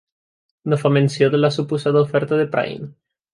No fa menció de la suposada oferta de Phryne.